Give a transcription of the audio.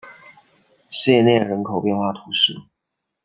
谢涅人口变化图示